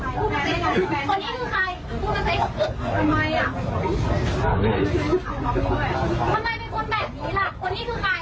คนนี้คือใครพูดมาสิ